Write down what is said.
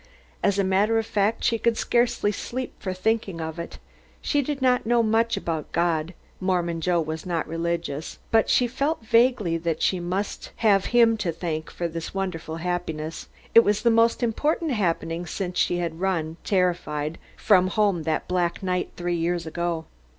As a matter of fact, she could scarcely sleep for thinking of it. She did not know much about God Mormon Joe was not religious but she felt vaguely that she must have Him to thank for this wonderful happiness. It was the most important happening since she had run, terrified, from home that black night three years ago.